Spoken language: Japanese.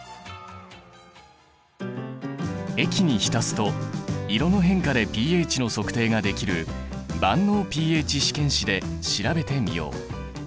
液に浸すと色の変化でｐＨの測定ができる万能ｐＨ試験紙で調べてみよう。